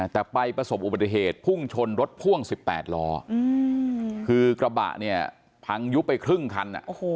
แต่ไปประสบอุบัติเหตุพุ่งชนรถพ่วง๑๘ล้อคือกระบะเนี่ยพังยุบไปครึ่งคัน